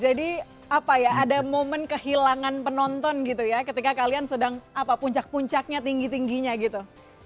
jadi apa ya ada momen kehilangan penonton gitu ya ketika kalian sedang apa puncak puncaknya tinggi tingginya gitu